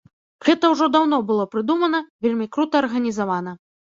Гэта ўжо даўно было прыдумана, вельмі крута арганізавана.